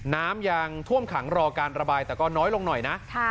น้ำยังท่วมขังรอการระบายแต่ก็น้อยลงหน่อยนะ